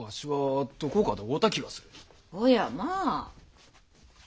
おやまあ！